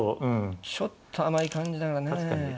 ちょっと甘い感じだからね。